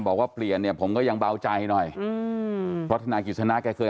บอกว่าเปลี่ยนเนี่ยผมก็ยังเบาใจหน่อยอืมเพราะธนายกิจสนาแกเคย